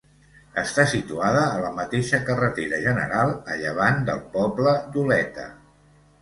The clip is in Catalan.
Està situada a la mateixa carretera general, a llevant del poble d'Oleta.